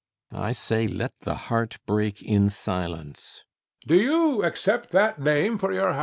I say, let the heart break in silence. HECTOR. Do you accept that name for your house?